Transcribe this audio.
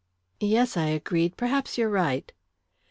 "Yes," I agreed, "perhaps you're right."